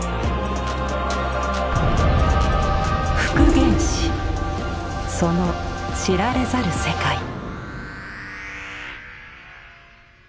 復元師その知られざる世界。